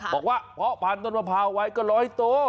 บอกว่าพันต้นมะพร้าวไว้ก็ร้อยให้โต